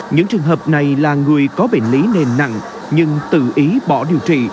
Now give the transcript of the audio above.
những trường hợp này là người có bệnh lý nền nặng nhưng tự ý bỏ điều trị